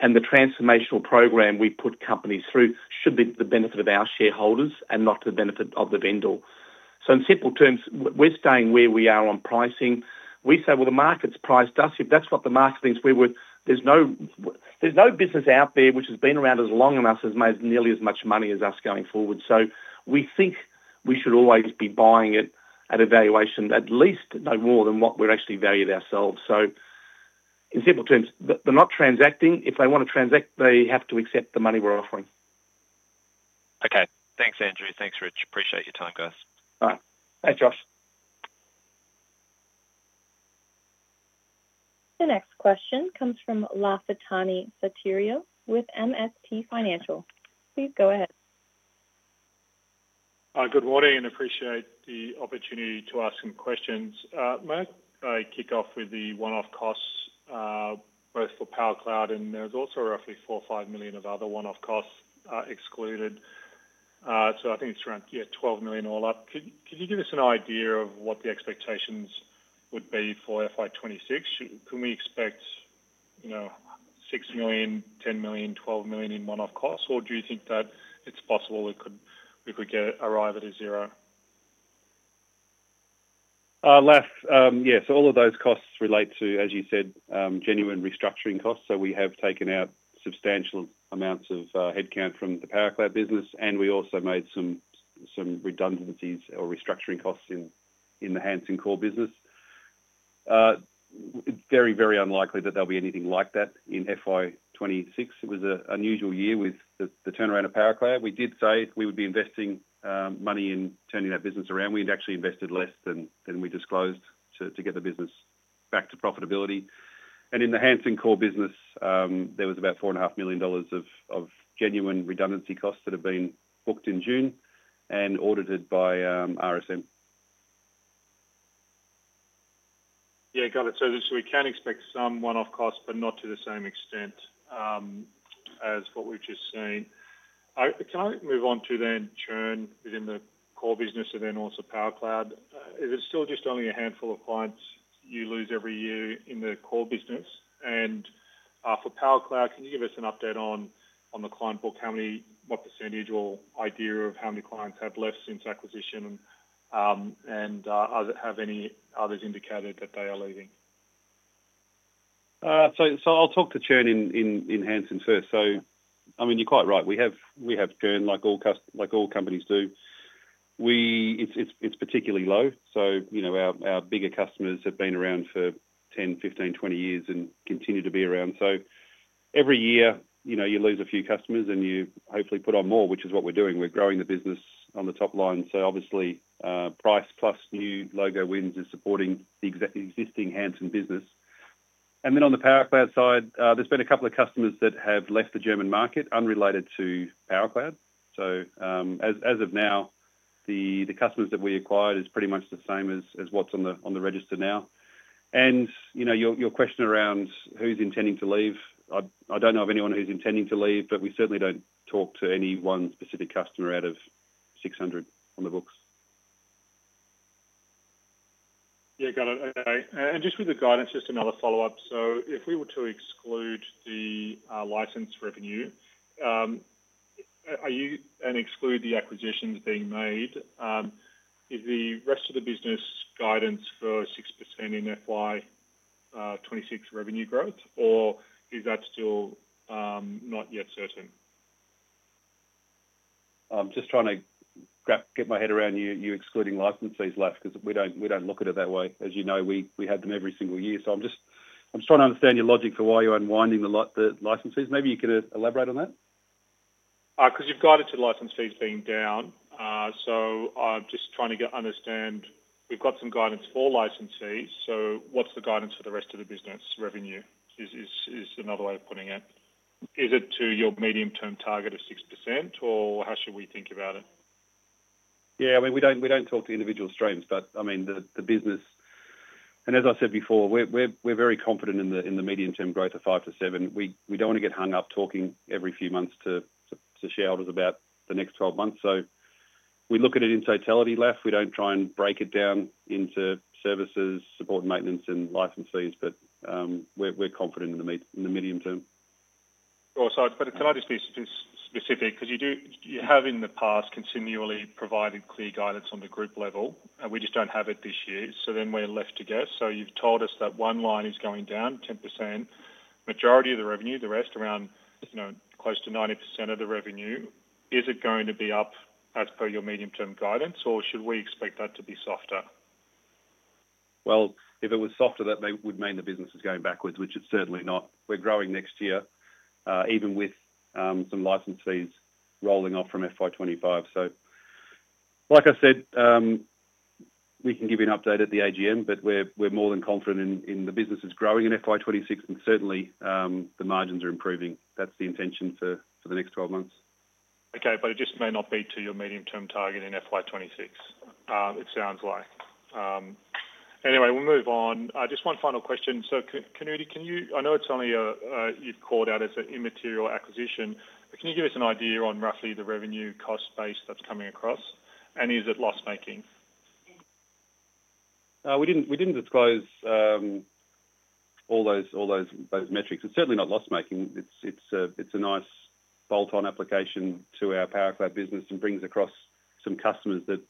and the transformational program we put companies through should be to the benefit of our shareholders and not to the benefit of the vendor. In simple terms, we're staying where we are on pricing. We say, well, the market's priced us. If that's what the market thinks, there's no business out there which has been around as long enough and has made nearly as much money as us going forward. We think we should always be buying it at a valuation, at least no more than what we're actually valued ourselves. In simple terms, they're not transacting. If they want to transact, they have to accept the money we're offering. Okay, thanks, Andrew. Thanks, Rich. Appreciate your time, guys. Thanks, Josh. The next question comes from Lafatani Sotiriou with MST Financial. Please go ahead. Good morning and appreciate the opportunity to ask some questions. May I kick off with the one-off costs, both for powercloud and there's also roughly $4 million or $5 million of other one-off costs excluded. I think it's around, yeah, $12 million all up. Could you give us an idea of what the expectations would be for FY26? Can we expect, you know, $6 million, $10 million, $12 million in one-off costs, or do you think that it's possible we could arrive at a zero? Yes, all of those costs relate to, as you said, genuine restructuring costs. We have taken out substantial amounts of headcount from the powercloud business, and we also made some redundancies or restructuring costs in the Hansen core business. It's very, very unlikely that there'll be anything like that in FY26. It was an unusual year with the turnaround of powercloud. We did say we would be investing money in turning that business around. We had actually invested less than we disclosed to get the business back to profitability. In the Hansen core business, there was about $4.5 million of genuine redundancy costs that have been booked in June and audited by RSM. Got it. We can expect some one-off costs, but not to the same extent as what we've just seen. Can I move on to churn within the core business and also powercloud? Is it still just only a handful of clients you lose every year in the core business? For powercloud, can you give us an update on the client book, how many, what percentage or idea of how many clients have left since acquisition, and have any others indicated that they are leaving? I'll talk the churn in Hansen first. I mean, you're quite right. We have churn like all companies do. It's particularly low. Our bigger customers have been around for 10, 15, 20 years and continue to be around. Every year, you lose a few customers and you hopefully put on more, which is what we're doing. We're growing the business on the top line. Obviously, price plus new logo wins is supporting the existing Hansen business. On the powercloud side, there's been a couple of customers that have left the German market unrelated to powercloud. As of now, the customers that we acquired are pretty much the same as what's on the register now. Your question around who's intending to leave, I don't know of anyone who's intending to leave, but we certainly don't talk to any one specific customer out of 600 on the books. Got it. Just with the guidance, just another follow-up. If we were to exclude the license revenue, and exclude the acquisitions being made, is the rest of the business guidance for 6% in FY26 revenue growth, or is that still not yet certain? I'm just trying to get my head around you excluding license fees because we don't look at it that way. As you know, we had them every single year. I'm just trying to understand your logic for why you're unwinding the license fees. Maybe you could elaborate on that? You've guided to license fees being down. I'm just trying to understand, we've got some guidance for license fees. What's the guidance for the rest of the business revenue, is another way of putting it. Is it to your medium-term target of 6%, or how should we think about it? I mean, we don't talk to individual streams, but the business, and as I said before, we're very confident in the medium-term growth of 5%-7%. We don't want to get hung up talking every few months to shareholders about the next 12 months. We look at it in totality. We don't try and break it down into services, support and maintenance, and license fees, but we're confident in the medium term. Sure. Can I just be specific? You have in the past continually provided clear guidance on the group level, and we just don't have it this year. We're left to guess. You've told us that one line is going down 10% majority of the revenue, the rest around, you know, close to 90% of the revenue. Is it going to be up as per your medium-term guidance, or should we expect that to be softer? If it was softer, that would mean the business is going backwards, which it's certainly not. We're growing next year, even with some license fees rolling off from FY25. Like I said, we can give you an update at the AGM, but we're more than confident the business is growing in FY26, and certainly the margins are improving. That's the intention for the next 12 months. Okay, but it just may not be to your medium-term target in FY26, it sounds like. Anyway, we'll move on. Just one final question. CONUTI, I know it's only you've called out as an immaterial acquisition, but can you give us an idea on roughly the revenue cost base that's coming across, and is it loss-making? We didn't disclose all those metrics. It's certainly not loss-making. It's a nice bolt-on application to our powercloud business and brings across some customers that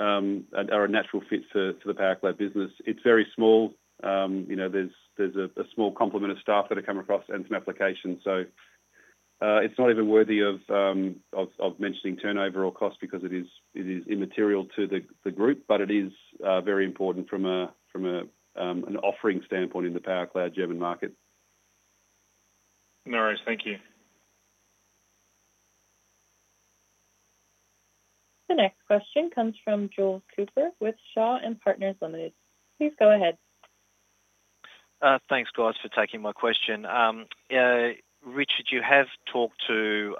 are a natural fit for the powercloud business. It's very small. There's a small complement of staff that have come across and some applications. It's not even worthy of mentioning turnover or cost because it is immaterial to the group, but it is very important from an offering standpoint in the powercloud German market. No worries. Thank you. The next question comes from Jules Cooper with Shaw and Partners Limited. Please go ahead. Thanks, guys, for taking my question. Richard, you have talked to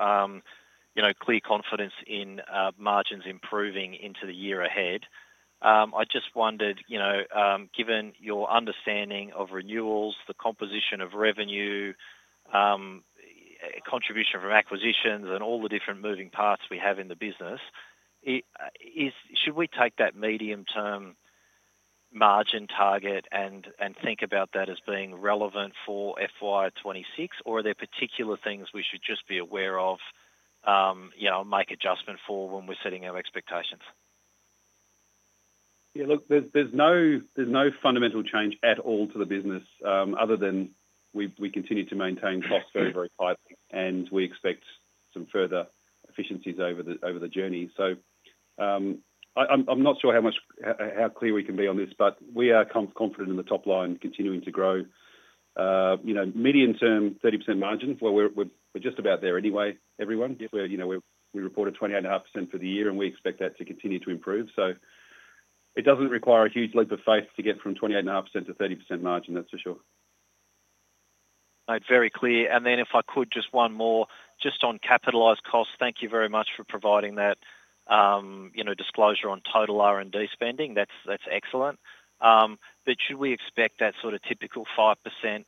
clear confidence in margins improving into the year ahead. I just wondered, given your understanding of renewals, the composition of revenue, contribution from acquisitions, and all the different moving parts we have in the business, should we take that medium-term margin target and think about that as being relevant for FY26, or are there particular things we should just be aware of and make adjustments for when we're setting our expectations? Yeah, look, there's no fundamental change at all to the business other than we continue to maintain costs very, very high, and we expect some further efficiencies over the journey. I'm not sure how clear we can be on this, but we are confident in the top line continuing to grow. You know, medium-term, 30% margin, we're just about there anyway, everyone. You know, we reported 28.5% for the year, and we expect that to continue to improve. It doesn't require a huge leap of faith to get from 28.5%-30% margin, that's for sure. No, it's very clear. If I could, just one more, just on capitalized costs, thank you very much for providing that disclosure on total R&D spending. That's excellent. Should we expect that sort of typical 5%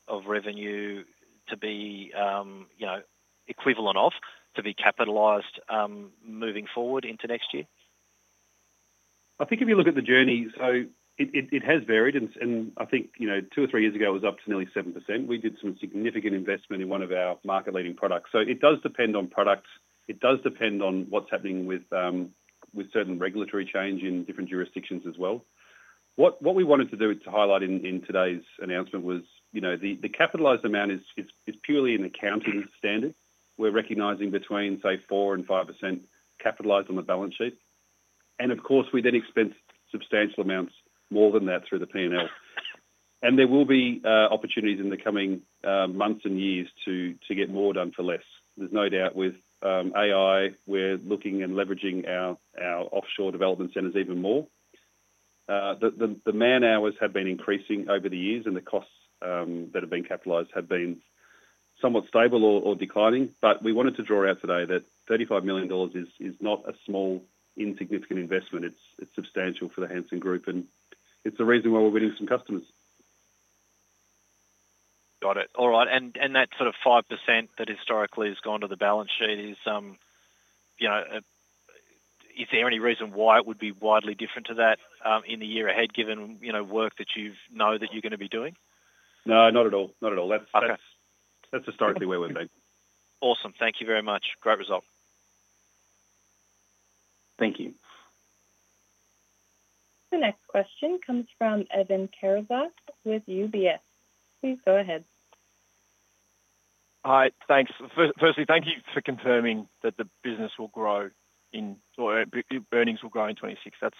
of revenue to be equivalent to be capitalized moving forward into next year? I think if you look at the journey, it has varied, and I think, you know, two or three years ago it was up to nearly 7%. We did some significant investment in one of our market-leading products. It does depend on product. It does depend on what's happening with certain regulatory change in different jurisdictions as well. What we wanted to do to highlight in today's announcement was, you know, the capitalized amount is purely an accounting standard. We're recognizing between, say, 4% and 5% capitalized on the balance sheet. Of course, we then expect substantial amounts more than that through the P&L. There will be opportunities in the coming months and years to get more done for less. There's no doubt with AI, we're looking and leveraging our offshore development centers even more. The man-hours have been increasing over the years, and the costs that have been capitalized have been somewhat stable or declining. We wanted to draw out today that $35 million is not a small, insignificant investment. It's substantial for the Hansen Group, and it's the reason why we're winning some customers. All right. That sort of 5% that historically has gone to the balance sheet, is there any reason why it would be widely different to that in the year ahead, given work that you know that you're going to be doing? No, not at all. That's historically where we've been. Awesome. Thank you very much. Great result. Thank you. The next question comes from Evan Karatzas with UBS. Please go ahead. Hi, thanks. Firstly, thank you for confirming that the business will grow in, or earnings will grow in 2026. That's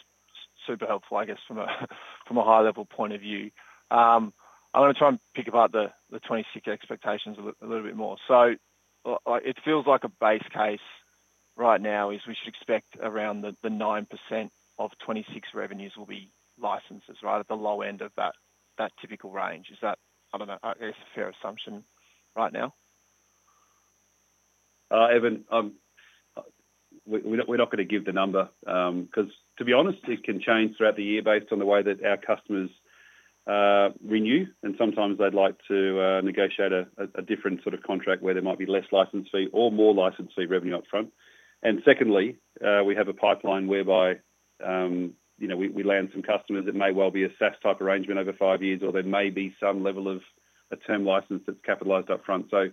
super helpful, I guess, from a high-level point of view. I'm going to try and pick apart the 2026 expectations a little bit more. It feels like a base case right now is we should expect around 9% of 2026 revenues will be licenses, right, at the low end of that typical range. Is that, I don't know, a fair assumption right now? Evan, we're not going to give the number because, to be honest, it can change throughout the year based on the way that our customers renew. Sometimes they'd like to negotiate a different sort of contract where there might be less license fee or more license fee revenue upfront. Secondly, we have a pipeline whereby, you know, we land some customers. It may well be a SaaS type arrangement over five years, or there may be some level of a term license that's capitalized upfront.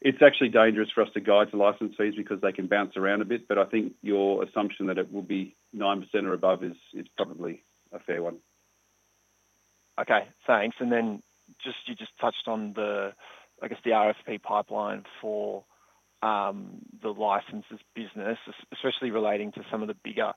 It's actually dangerous for us to guide to license fees because they can bounce around a bit. I think your assumption that it will be 9% or above is probably a fair one. Okay, thanks. You just touched on the, I guess, the RFP pipeline for the licenses business, especially relating to some of the bigger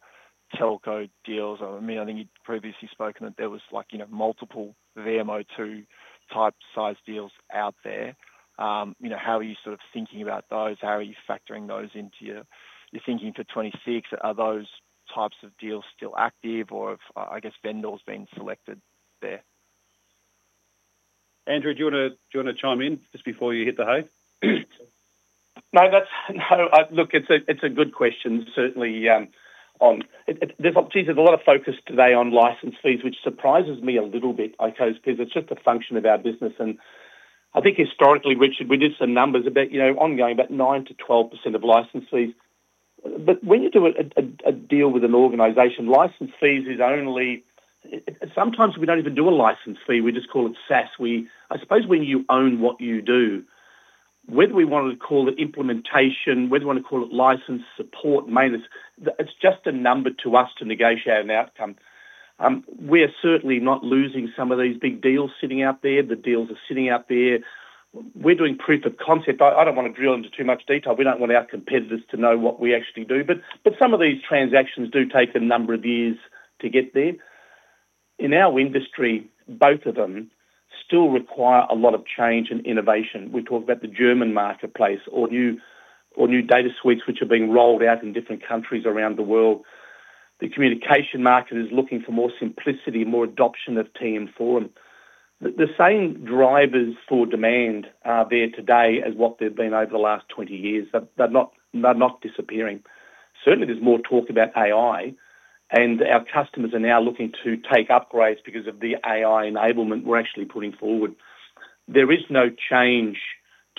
telco deals. I mean, I think you'd previously spoken that there was, like, you know, multiple VMO2 type size deals out there. You know, how are you sort of thinking about those? How are you factoring those into your thinking for 2026? Are those types of deals still active, or, I guess, vendors being selected there? Andrew, do you want to chime in just before you hit the hay? No, look, it's a good question. Certainly, there's opportunities. There's a lot of focus today on license fees, which surprises me a little bit, because it's just a function of our business. I think historically, Richard, we did some numbers about ongoing about 9%-12% of license fees. When you do a deal with an organization, license fees is only, sometimes we don't even do a license fee. We just call it SaaS. I suppose when you own what you do, whether we want to call it implementation, whether we want to call it license support, maintenance, it's just a number to us to negotiate an outcome. We are certainly not losing some of these big deals sitting out there. The deals are sitting out there. We're doing proof of concept. I don't want to drill into too much detail. We don't want our competitors to know what we actually do. Some of these transactions do take a number of years to get there. In our industry, both of them still require a lot of change and innovation. We've talked about the German marketplace or new data suites which are being rolled out in different countries around the world. The communication market is looking for more simplicity and more adoption of TM Forum. The same drivers for demand are there today as what they've been over the last 20 years. They're not disappearing. Certainly, there's more talk about AI, and our customers are now looking to take upgrades because of the AI enablement we're actually putting forward. There is no change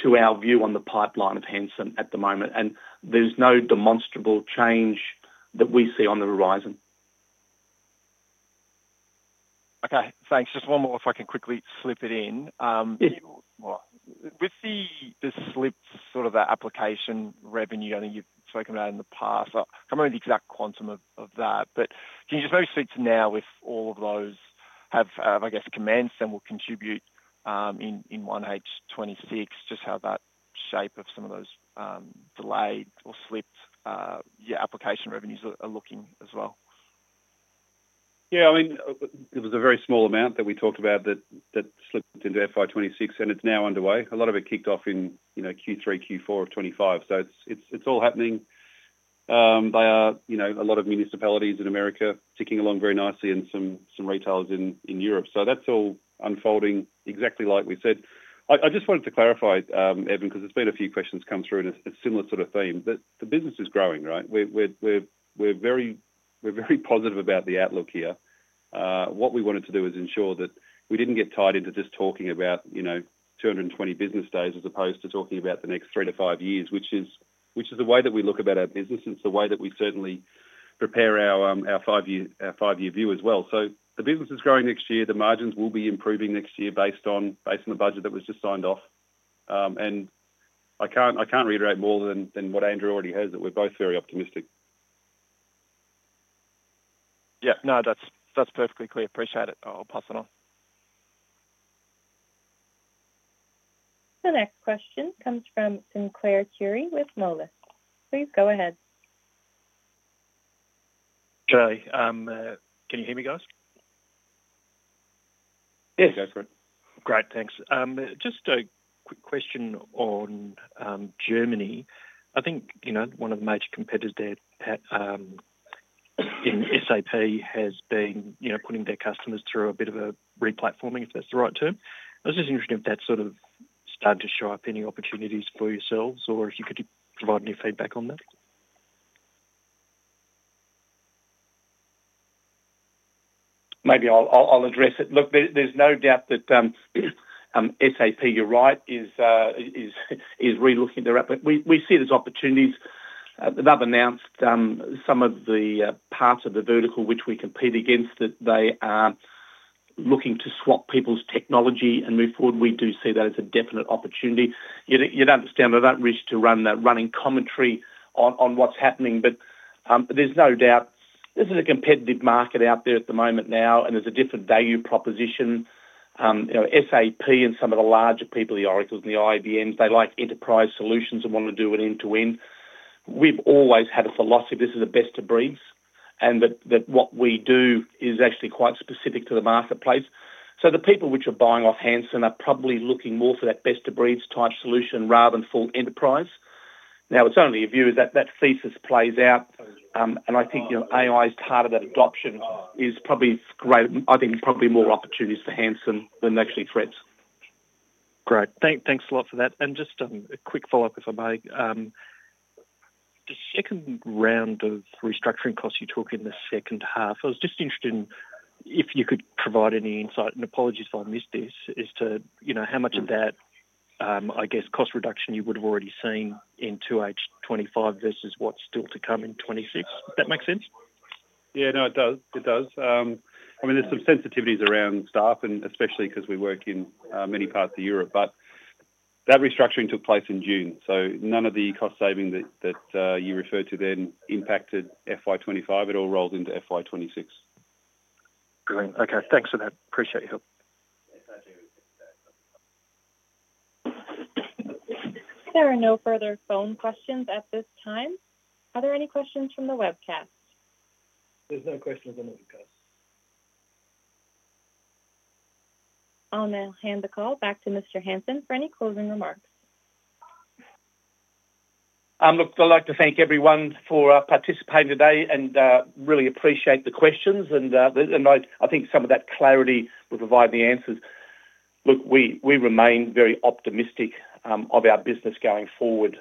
to our view on the pipeline of Hansen at the moment, and there's no demonstrable change that we see on the horizon. Okay, thanks. Just one more if I can quickly slip it in. With the slips sort of application revenue, I think you've spoken about in the past. I can't remember the exact quantum of that, but can you just maybe speak to now if all of those have, I guess, commenced and will contribute in 1H26, just how that shape of some of those delayed or slipped application revenues are looking as well? Yeah, I mean, it was a very small amount that we talked about that slipped into FY26, and it's now underway. A lot of it kicked off in Q3, Q4 of 2025. It's all happening. There are a lot of municipalities in America ticking along very nicely and some retailers in Europe. That's all unfolding exactly like we said. I just wanted to clarify, Evan, because there's been a few questions come through in a similar sort of theme that the business is growing, right? We're very positive about the outlook here. What we wanted to do is ensure that we didn't get tied into just talking about 220 business days as opposed to talking about the next three to five years, which is the way that we look about our business. It's the way that we certainly prepare our five-year view as well. The business is growing next year. The margins will be improving next year based on the budget that was just signed off. I can't reiterate more than what Andrew already has that we're both very optimistic. Yeah, no, that's perfectly clear. Appreciate it. I'll pass it on. The next question comes from Sinclair Currie with Moelis. Please go ahead. Good day, can you hear me, guys? Yes, go for it. Great, thanks. Just a quick question on Germany. I think one of the major competitors there, SAP, has been putting their customers through a bit of a replatforming, if that's the right term. I was just interested if that sort of started to show up any opportunities for yourselves or if you could provide any feedback on that. Maybe I'll address it. Look, there's no doubt that SAP, you're right, is relooking to that. We see it as opportunities. They've announced some of the parts of the vertical which we compete against that they are looking to swap people's technology and move forward. We do see that as a definite opportunity. You'd understand I don't wish to run that running commentary on what's happening, but there's no doubt this is a competitive market out there at the moment now, and there's a different value proposition. SAP and some of the larger people, the Oracles and the IBMs, they like enterprise solutions and want to do an end-to-end. We've always had a philosophy this is a best-of-breeds, and that what we do is actually quite specific to the marketplace. The people which are buying off Hansen are probably looking more for that best-of-breeds type solution rather than full enterprise. Now, it's only a view that that thesis plays out, and I think AI's targeted adoption is probably greater. I think probably more opportunities for Hansen than actually threats. Great, thanks a lot for that. Just a quick follow-up if I may. The second round of restructuring costs you talk in the second half, I was just interested if you could provide any insight, and apologies if I missed this, as to how much of that cost reduction you would have already seen in 2H25 versus what's still to come in 2026. Does that make sense? Yeah, it does. I mean, there's some sensitivities around staff, especially because we work in many parts of Europe, but that restructuring took place in June. None of the cost saving that you referred to then impacted FY25. It all rolled into FY26. Brilliant. Okay, thanks for that. Appreciate your help. There are no further phone questions at this time. Are there any questions from the webcast? There's no questions on the webcast. I'll now hand the call back to Mr. Hansen for any closing remarks. I'd like to thank everyone for participating today and really appreciate the questions. I think some of that clarity will provide the answers. We remain very optimistic of our business going forward.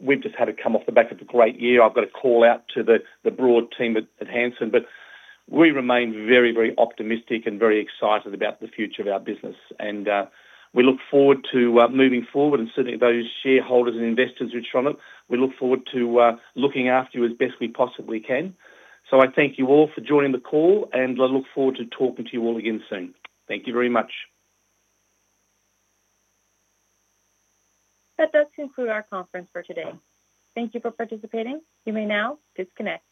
We've just had it come off the back of a great year. I've got to call out to the broad team at Hansen, but we remain very, very optimistic and very excited about the future of our business. We look forward to moving forward and certainly those shareholders and investors who've shown up, we look forward to looking after you as best we possibly can. I thank you all for joining the call, and I look forward to talking to you all again soon. Thank you very much. That does conclude our conference for today. Thank you for participating. You may now disconnect.